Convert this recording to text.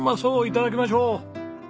頂きましょう。